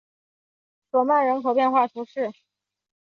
索曼人口变化图示